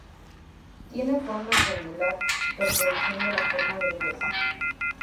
Tiene forma triangular reproduciendo la forma del hueso.